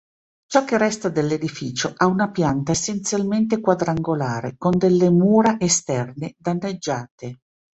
Ciò che resta dell'edificio ha una pianta essenzialmente quadrangolare con delle mura esterne danneggiate.